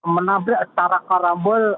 menambah secara karambol